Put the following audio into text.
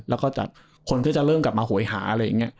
แล้วก็คนก็จะเริ่มกลับมาโหยหาอะไรอย่างนี้